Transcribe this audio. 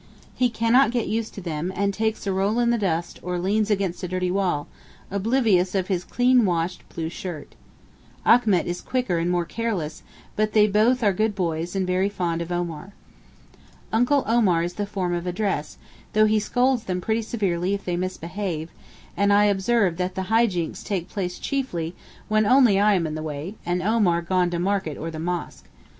He cannot get used to them, and takes a roll in the dust, or leans against a dirty wall, oblivious of his clean washed blue shirt. Achmet is quicker and more careless, but they both are good boys and very fond of Omar. 'Uncle Omar' is the form of address, though he scolds them pretty severely if they misbehave; and I observe that the high jinks take place chiefly when only I am in the way, and Omar gone to market or to the mosque.